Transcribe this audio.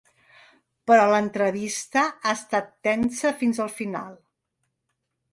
Però l’entrevista ha estat tensa fins al final.